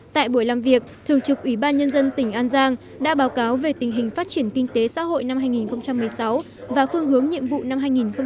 tại buổi làm việc thường trực ủy ban nhân dân tỉnh an giang đã báo cáo về tình hình phát triển kinh tế xã hội năm hai nghìn một mươi sáu và phương hướng nhiệm vụ năm hai nghìn hai mươi